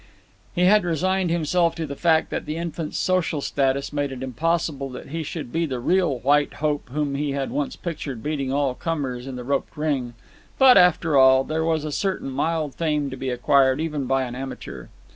He had resigned himself to the fact that the infant's social status made it impossible that he should be the real White Hope whom he had once pictured beating all comers in the roped ring; but, after all, there was a certain mild fame to be acquired even by an amateur.